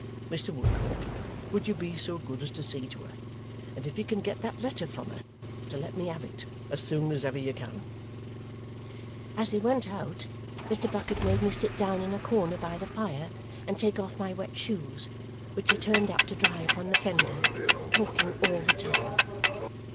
Mr. Woodcourt, would you be so good as see to her, and if you can get that letter from her, to let me have it as soon as ever you can?" As they went out, Mr. Bucket made me sit down in a corner by the fire and take off my wet shoes, which he turned up to dry upon the fender, talking all the time.